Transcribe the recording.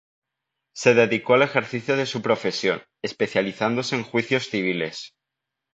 Se dedicó al ejercicio de su profesión, especializándose en juicios civiles.